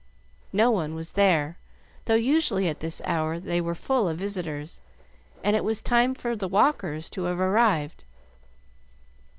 No one was there, though usually at this hour they were full of visitors, and it was time for the walkers to have arrived.